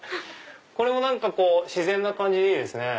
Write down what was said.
これも何か自然な感じでいいですね。